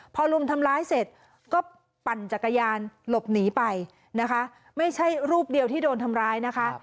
พอรุมทำร้ายเสร็จก็ปั่นจักรยานหลบหนีไปนะคะไม่ใช่รูปเดียวที่โดนทำร้ายนะคะ